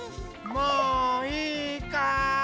もういいかい？